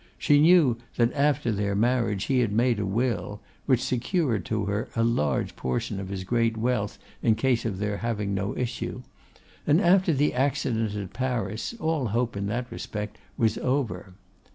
She knew that after their marriage he had made a will, which secured to her a large portion of his great wealth in case of their having no issue, and after the accident at Paris all hope in that respect was over.